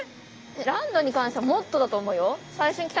ランドに関してはもっとだと思うよ。